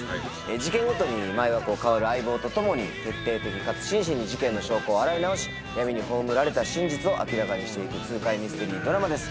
事件ごとに毎話変わる相棒と共に徹底的かつ真摯に事件の証拠を洗い直し闇に葬られた真実を明らかにして行く痛快ミステリードラマです。